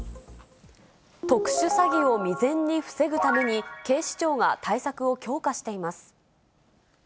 特殊詐欺を未然に防ぐために、警視庁が対策を強化しています。